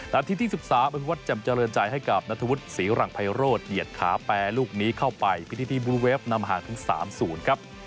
ที่๑๓อภิวัตรจำเจริญใจให้กับนัทวุฒิศรีหลังไพโรธเหยียดขาแปรลูกนี้เข้าไปพิธีที่บลูเวฟนำห่างถึง๓๐ครับ